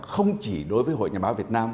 không chỉ đối với hội nhà báo việt nam